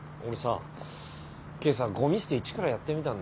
今朝ごみ捨て一からやってみたんだよ。